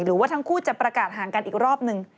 หรือว่าทั้งคู่จะประกาศห่างกันอีกรอบนึง